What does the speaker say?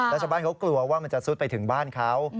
แล้วชาวบ้านเขากลัวว่ามันจะซุดไปถึงบ้านเขา